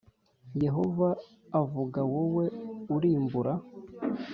Yehova avuga wowe urimbura